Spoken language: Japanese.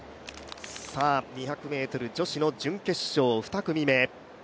２００ｍ女子の準決勝、２組目。